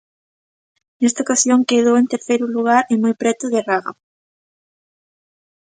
Nesta ocasión quedou en terceiro lugar e moi preto de Raga.